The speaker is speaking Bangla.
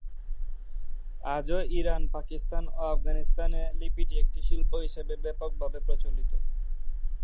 আজও ইরান, পাকিস্তান ও আফগানিস্তানে লিপিটি একটি শিল্প হিসেবে ব্যাপকভাবে প্রচলিত।